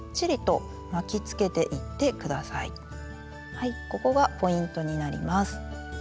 はいここがポイントになります。